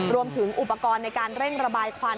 รวมถึงอุปกรณ์ในการเร่งระบายควัน